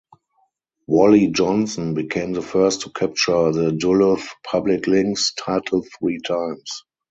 Wally Johnson became the first to capture the Duluth Public Links title three times.